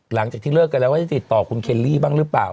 หลังจากที่เลิกกันแล้วว่าจะติดต่อคุณเคลลี่บ้างหรือเปล่า